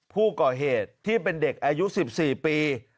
ผู้ก่อเหตุที่เป็นเด็กอายุ๑๔ปี